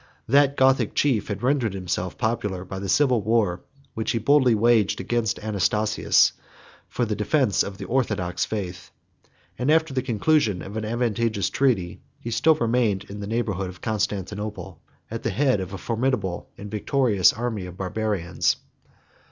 That Gothic chief had rendered himself popular by the civil war which he boldly waged against Anastasius for the defence of the orthodox faith, and after the conclusion of an advantageous treaty, he still remained in the neighborhood of Constantinople at the head of a formidable and victorious army of Barbarians.